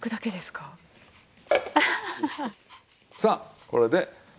さあこれで。